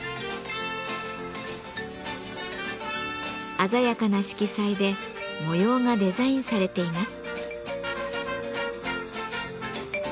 鮮やかな色彩で模様がデザインされています。